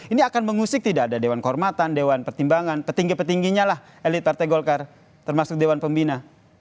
ini akan mengusik tidak ada dewan kehormatan dewan pertimbangan petinggi petingginya lah elit partai golkar termasuk dewan pembina